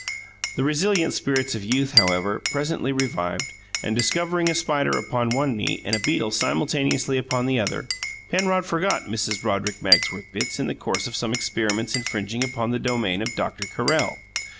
The resilient spirits of youth, however, presently revived, and discovering a spider upon one knee and a beetle simultaneously upon the other, Penrod forgot Mrs. Roderick Magsworth Bitts in the course of some experiments infringing upon the domain of Doctor Carrel.